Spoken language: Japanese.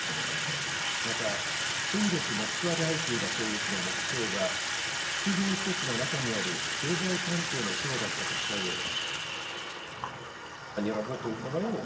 また、先月、モスクワで相次いだ攻撃の目標は、複合施設の中にある経済関係の省だったとしたうえで。